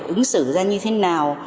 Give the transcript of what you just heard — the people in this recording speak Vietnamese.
ứng xử ra như thế nào